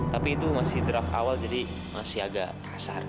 tapi itu masih draft awal jadi masih agak kasar